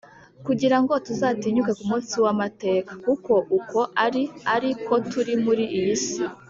kugira ngo tuzatinyuke ku munsi w’amateka, kuko uko ari ari ko turi muri iyi si.